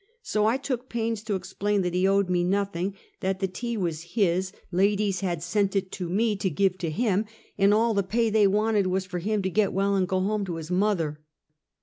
So I took pains to explain that he owed me nothing; that the tea was his — ladies had sent it to me to give to him — and all the pay they wanted was for him to get well, and go home to his mother.